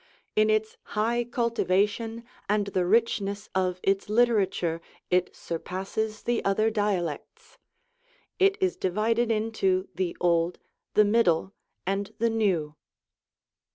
In its high cultivation, and the richness of its literature, it surpasses the other dialects. It is divided into the Old, the Middle, and the New.